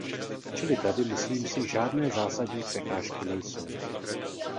Čili tady, myslím si, žádné zásadní překážky nejsou.